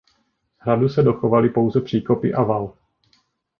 Z hradu se dochovaly pouze příkopy a val.